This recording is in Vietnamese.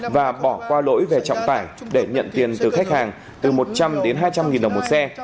và bỏ qua lỗi về trọng tải để nhận tiền từ khách hàng từ một trăm linh đến hai trăm linh nghìn đồng một xe